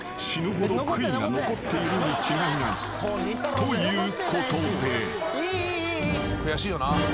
［ということで］